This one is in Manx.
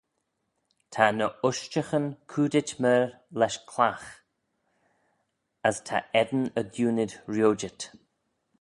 Ta ny ushtaghyn coodit myr lesh clagh, as ta eddin y diunid riojit.